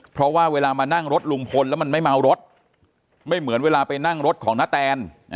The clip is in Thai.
เพราะว่าเวลามานั่งรถลุงพลแล้วมันไม่เมารถไม่เหมือนเวลาไปนั่งรถของนาแตน